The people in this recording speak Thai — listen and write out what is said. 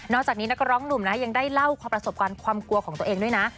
จากนี้นักร้องหนุ่มนะยังได้เล่าความประสบการณ์ความกลัวของตัวเองด้วยนะ